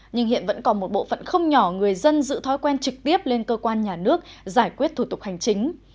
nhưng hiện vẫn còn một bộ phận không nhỏ người dân giữ thói quen trực tiếp lên cơ quan nhà nước giải quyết thủ tục hành chính